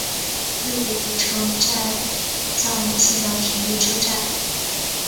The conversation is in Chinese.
越谷湖城站武藏野线的铁路车站。